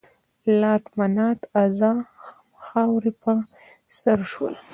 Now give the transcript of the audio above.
لات، منات، عزا همه خاورې په سر شول.